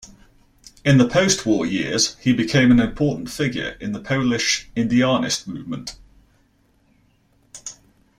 In the postwar years, he became an important figure in the Polish "indianist" movement.